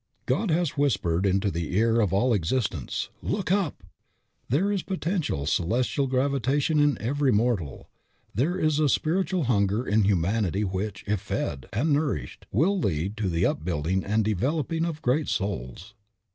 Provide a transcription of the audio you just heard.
God has whispered into the ear of all existence, "Look up." There is potential celestial gravitation in every mortal. There is a spiritual hunger in humanity which, if fed and nourished, will lead to the upbuilding and developing of great souls.